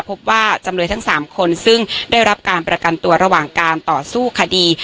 พบว่าจำเลยทั้ง๓คนซึ่งได้รับการประกันตัวระหว่างการต่อสู้คดี